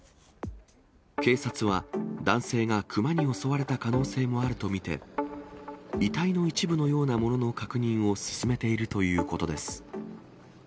警察は、男性がクマに襲われた可能性もあると見て、遺体の一部のようなものの確認を進めているということです。